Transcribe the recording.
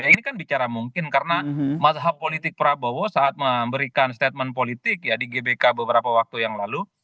ini kan bicara mungkin karena mazhab politik prabowo saat memberikan statement politik ya di gbk beberapa waktu yang lalu